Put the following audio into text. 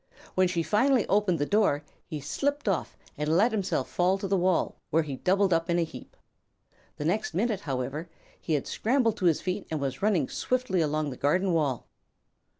When she finally opened the door he slipped off and let himself fall to the wall, where he doubled up in a heap. The next minute, however, he had scrambled to his feet and was running swiftly along the garden wall.